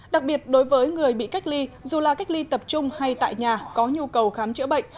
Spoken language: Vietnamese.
đặc biệt đối với người bị cách ly dù là cách ly tập trung hay tại nhà có nhu cầu khám chữa bệnh